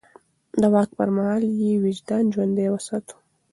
د واک پر مهال يې وجدان ژوندی وساته.